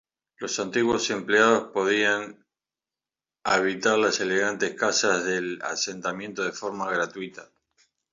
Los antiguos empleados podían habitar las elegantes casas del asentamiento de forma gratuita.